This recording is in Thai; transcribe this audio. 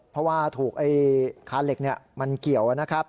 เพราะว่าถูกค้าเหล็กมันเกี่ยว